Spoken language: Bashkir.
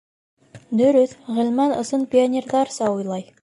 — Дөрөҫ, Ғилман ысын пионерҙарса уйлай.